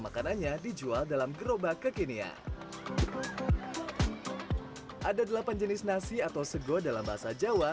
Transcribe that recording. makanannya dijual dalam gerobak kekinian ada delapan jenis nasi atau sego dalam bahasa jawa